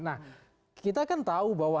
nah kita kan tahu bahwa